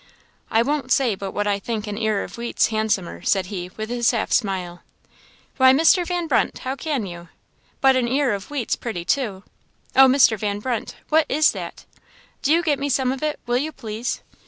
"I won't say but what I think an ear of wheat's handsomer," said he, with his half smile. "Why, Mr. Van Brunt! How can you? but an ear of wheat's pretty, too. Oh, Mr. Van Brunt, what is that? Do you get me some of it, will you, please?